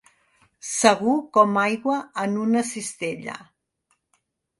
Segur com aigua en una cistella.